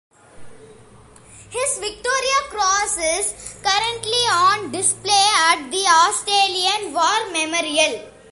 His Victoria Cross is currently on display at the Australian War Memorial.